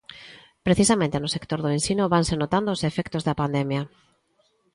Precisamente no sector do ensino vanse notando os efectos da pandemia.